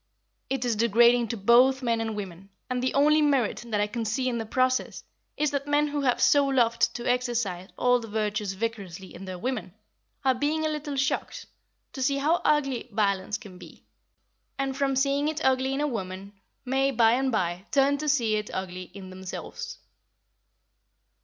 It is degrading to both men and women, and the only merit that I can see in the process is, that men who have so loved to exercise all the virtues vicariously in their women, are being a little shocked to see how ugly violence can be, and, from seeing it ugly in a woman may, by and by, turn to see it ugly in themselves.